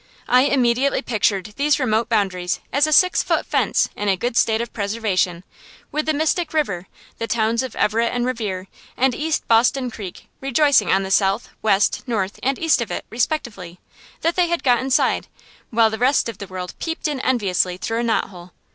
I immediately pictured these remote boundaries as a six foot fence in a good state of preservation, with the Mystic River, the towns of Everett and Revere, and East Boston Creek, rejoicing, on the south, west, north, and east of it, respectively, that they had got inside; while the rest of the world peeped in enviously through a knot hole.